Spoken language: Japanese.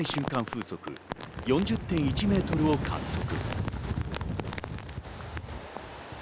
風速４０．１メートルを観測。